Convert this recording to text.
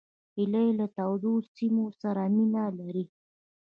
هیلۍ له تودو سیمو سره مینه لري